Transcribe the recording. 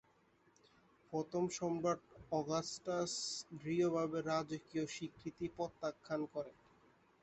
প্রথম সম্রাট, অগাস্টাস, দৃঢ়ভাবে রাজকীয় স্বীকৃতি প্রত্যাখ্যাত করেন।